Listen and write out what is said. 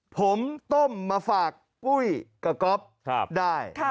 ผมต้มมาฝากปุ้ยกับก๊อฟได้